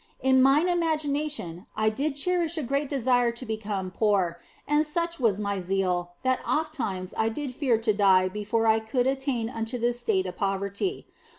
In mine imagination I did cherish a great desire to become poor, and such was my zeal that ofttimes I did fear to die before I could attain unto this state of poverty.